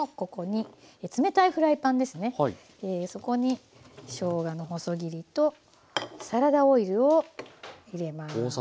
そこにしょうがの細切りとサラダオイルを入れます。